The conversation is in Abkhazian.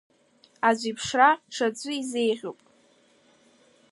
Аӡә иԥсра ҽаӡәы изеиӷьуп.